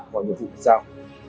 mọi nhiệm vụ tự sao